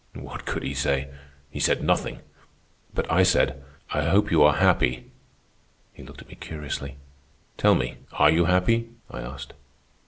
"What could he say? He said nothing. But I said, 'I hope you are happy.' He looked at me curiously. 'Tell me, are you happy?'" I asked.